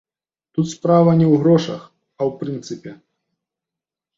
Тут справа не ў грошах, а ў прынцыпе.